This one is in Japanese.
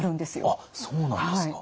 あっそうなんですか。